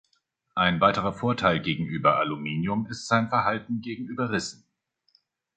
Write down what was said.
Ein weiterer Vorteil gegenüber Aluminium ist sein Verhalten gegenüber Rissen.